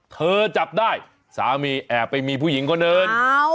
จับได้สามีแอบไปมีผู้หญิงคนหนึ่ง